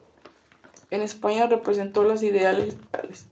En España representó los ideales liberales.